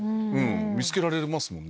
見つけられますもんね。